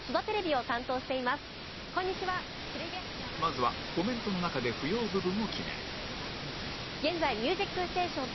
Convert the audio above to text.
まずはコメントの中で不要部分を決める